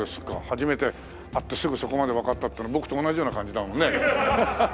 初めて会ってすぐそこまでわかったっていうのは僕と同じような感じだもんね。